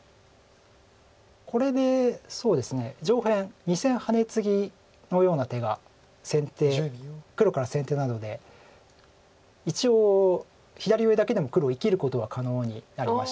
これで上辺２線ハネツギのような手が黒から先手なので一応左上だけでも黒生きることは可能になりました。